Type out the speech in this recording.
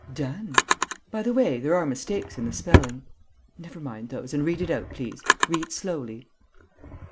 "Done!... By the way, there are mistakes in the spelling...." "Never mind those and read it out, please.... Read slowly."